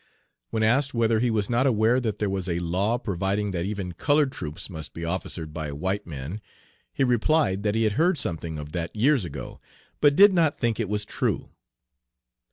When asked whether he was not aware that there was a law providing that even colored troops must be officered by white men, he replied that he had heard something of that years ago, but did not think it was true.